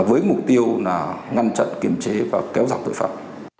với mục tiêu là ngăn chặn kiềm chế và kéo giảm tội phạm